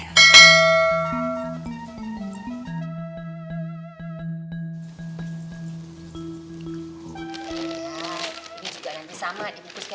lo butuh seharian kemanaan sih